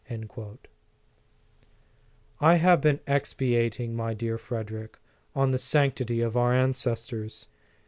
* I have been expatiating, my dear Frederic, on the sanctity of our ancestors.